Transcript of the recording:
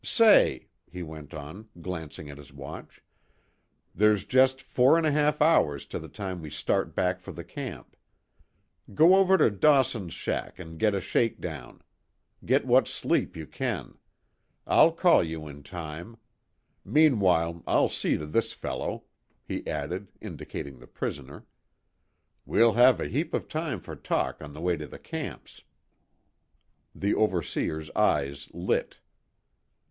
"Say," he went on, glancing at his watch, "there's just four and a half hours to the time we start back for the camp. Go over to Dawson's shack and get a shake down. Get what sleep you can. I'll call you in time. Meanwhile I'll see to this fellow," he added, indicating the prisoner. "We'll have a heap of time for talk on the way to the camps." The overseer's eyes lit.